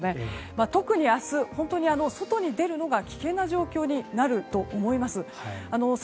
特に明日、本当に外に出るのが危険な状況になると思います。